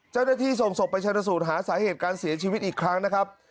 เจ้าหน้าที่ส่งศพไปชนสูตรหาสาเหตุการเสียชีวิตอีกครั้งนะครับ